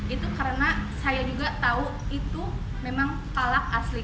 itu karena saya juga tahu itu memang kalak asli